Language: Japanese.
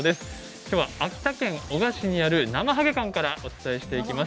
きょうは秋田県男鹿市にある、なまはげ館からお伝えしていきます。